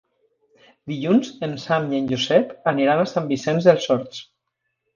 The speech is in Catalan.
Dilluns en Sam i en Josep aniran a Sant Vicenç dels Horts.